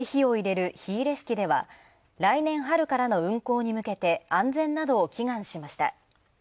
釜に初めて火を入れる火入れ式では、来年春からの運行に向けて安全などを祈願しました。